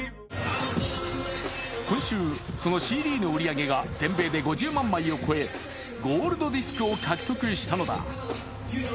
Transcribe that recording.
今週、そのＣＤの売り上げが全米で５０万枚を超え、ゴールドディスクを獲得したのだ。